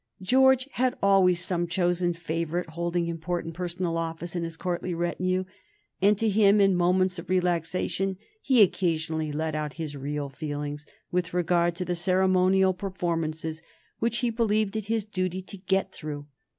George had always some chosen favorite holding important personal office in his courtly retinue, and to him, in moments of relaxation, he occasionally let out his real feelings with regard to the ceremonial performances which he believed it his duty to get through.